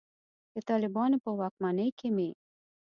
د طالبانو په واکمنۍ کې مې.